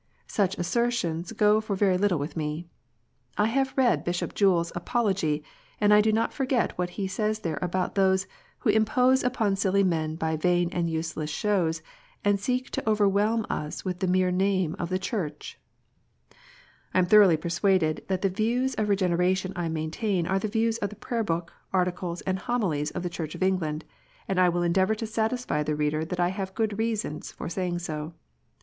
Such assertions go for very little with me. I have read Bishop Jewel s Apology, and I do not forget what he says there about those " wjio impose upon silly men by vain and useless shows, and seek to over whelm us with the mere name of the Church," I am thoroughly persuaded that the views of Regeneration I maintain are the views of the Prayer book, Articles, and Homilies of the Church England, and I will endeavour to satisfy the reader that I have good reasons for saying so.